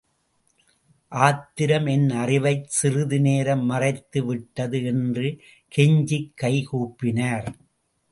ஆத்திரம் என் அறிவைச் சிறுநேரம் மறைத்து விட்டது என்று கெஞ்சிக் கை கூப்பினார்.